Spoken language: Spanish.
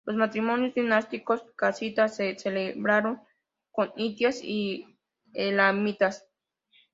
Los matrimonios dinásticos casitas se celebraron con hititas y elamitas.